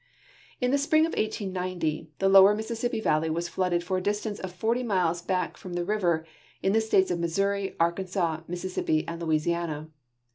In the spring of 1890 the loAver Mississippi valley Avas flooded for a distance of forty miles back from the river in the states of Missouri, Arkansas, Mississippi, and Louisiana.